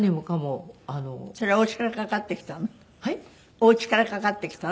お家からかかってきたの？